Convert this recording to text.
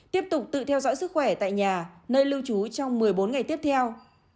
tiếp tục tự theo dõi sức khỏe tại nhà nơi lưu trú trong một mươi bốn ngày tiếp theo